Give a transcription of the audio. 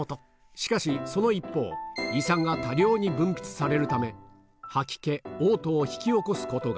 しかし、その一方、胃酸が多量に分泌されるため、吐き気、嘔吐を引き起こすことが。